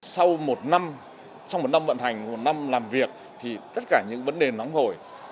sau một năm vận hành một năm làm việc thì tất cả những vấn đề nóng hổi